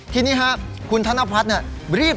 ทีนี้คุณธนภรรดิ